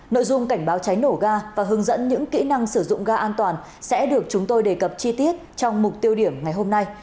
nội dung cảnh báo cháy nổ ga và hướng dẫn những kỹ năng sử dụng ga an toàn sẽ được chúng tôi đề cập chi tiết trong mục tiêu điểm ngày hôm nay